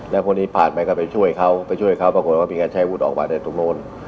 แล้วคนนี้ผ่านไปก็ไปช่วยเขาไปช่วยเขาปรากฏว่ามีการใช้อาวุธออกมาได้ตรงนู้น